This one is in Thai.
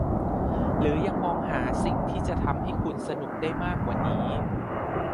หรือยังมองหาสิ่งที่จะทำให้คุณสนุกได้มากกว่านี้